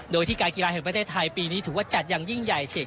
โดยที่การกีฬาแห่งประเทศไทยปีนี้ถือว่าจัดอย่างยิ่งใหญ่เฉีก